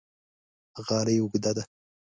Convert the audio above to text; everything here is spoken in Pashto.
غالۍ اوږده ده